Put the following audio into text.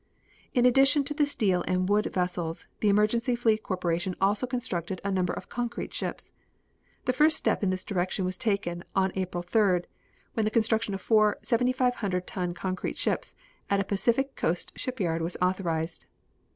In addition to the steel and wood vessels the Emergency Fleet Corporation also constructed a number of concrete ships. The first step in this direction was taken on April 3d, when the construction of four 7,500 ton concrete ships at a Pacific coast shipyard was authorized.